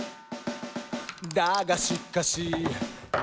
「だがしかし」